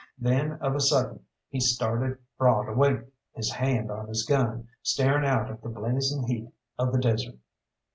Then of a sudden he started broad awake, his hand on his gun, staring out at the blazing heat of the desert.